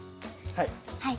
はい。